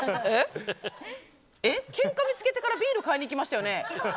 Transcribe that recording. けんか見つけてからビール買いに行きましたよね？